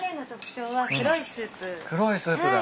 黒いスープだ。